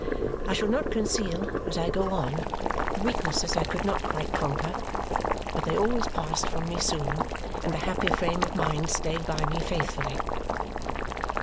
I shall not conceal, as I go on, the weaknesses I could not quite conquer, but they always passed from me soon and the happier frame of mind stayed by me faithfully.